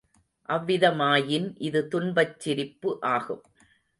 அவ்விதமாயின், இது துன்பச் சிரிப்பு ஆகும்.